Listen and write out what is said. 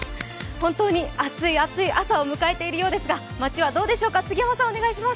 本当に熱い熱い朝を迎えているようですが街はどうでしょうか、杉山さんお願いします。